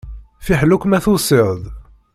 Fiḥel akk ma tusiḍ-d.